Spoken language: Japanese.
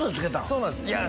そうなんですいや